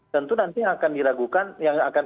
tentu nanti akan diragukan